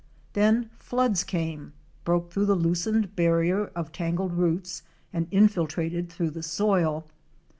Then floods came, broke through the loosened barrier of tangled roots, and infiltrated through the soil.